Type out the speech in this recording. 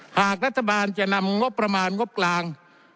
หากรัฐบาลจะนำงบประมาณงบกลาง